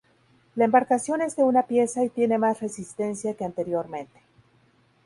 La embarcación es de una pieza y tiene más resistencia que anteriormente.